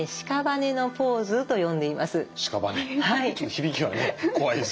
響きはね怖いですけど。